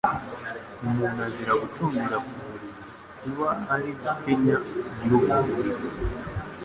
Umuntu azira gucundira ku buriri, kuba ari ugukenya nyir’ubwo buriri